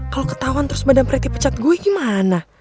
kalo ketauan terus madame pretty pecat gue gimana